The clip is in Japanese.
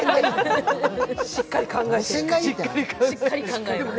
しっかり考えてます。